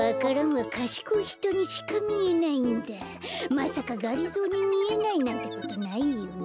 まさかがりぞーにみえないなんてことないよね？